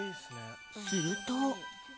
すると。